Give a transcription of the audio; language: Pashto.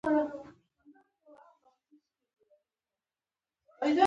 هغوی د لرګی پر لرګي باندې خپل احساسات هم لیکل.